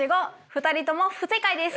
２人とも不正解です。